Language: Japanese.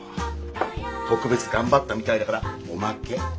特別頑張ったみたいだからおまけ。